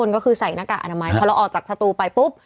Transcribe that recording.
ก็คือใส่หน้ากากอนามัยพอเราออกจากสตูไปปุ๊บ